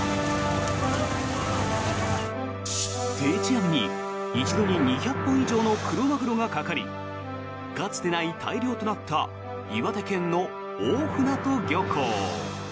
定置網に１度に２００本以上のクロマグロがかかりかつてない大漁となった岩手県の大船渡漁港。